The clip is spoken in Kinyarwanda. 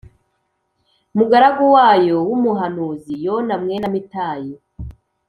mugaragu wayo w umuhanuzi Yona mwene Amitayi